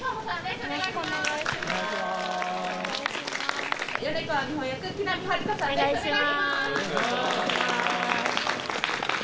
お願いします。